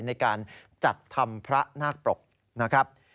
ในการจัดทำพระนาคปรกนะครับ